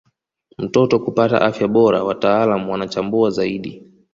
mtoto kupata afya bora wataalam wanachambua zaidi